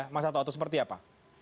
mas ato'atu seperti apa